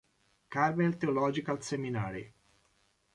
Carmel Theological Seminary.